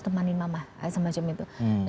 temanin mama semacam itu